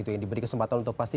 yang diberi kesempatan untuk pasti